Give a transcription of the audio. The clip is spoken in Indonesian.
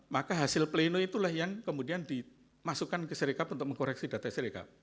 maka hasil pleno itulah yang kemudian dimasukkan ke serikap untuk mengkoreksi data sirekap